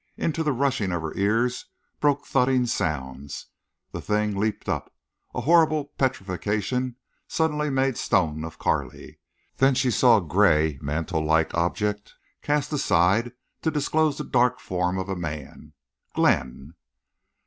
Into the rushing of her ears broke thudding sounds. The thing leaped up. A horrible petrifaction suddenly made stone of Carley. Then she saw a gray mantlelike object cast aside to disclose the dark form of a man. Glenn!